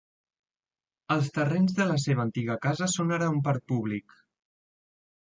Els terrenys de la seva antiga casa són ara un parc públic.